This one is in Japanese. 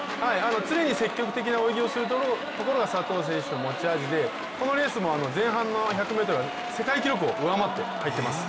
常に積極的な動きをするところが佐藤選手の持ち味でこのレースも前半の１００ｍは世界記録を上回って入ってます。